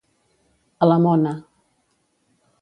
A la mona.